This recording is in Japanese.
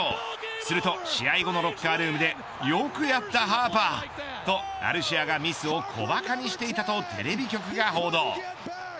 すると試合後のロッカールームでよくやったハーパーとアルシアがミスを小馬鹿にしていたと、テレビ局が報道。